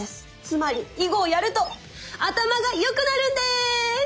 つまり囲碁をやると頭がよくなるんです！